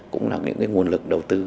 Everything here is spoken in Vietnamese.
cũng là những nguồn lực đầu tư